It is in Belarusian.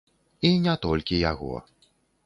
І не толькі яго.